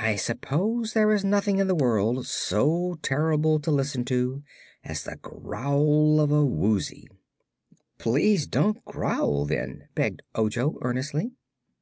I suppose there is nothing in the world so terrible to listen to as the growl of a Woozy." "Please don't growl, then," begged Ojo, earnestly.